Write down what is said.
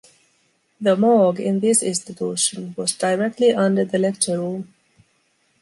The morgue in this institution was directly under the lecture room.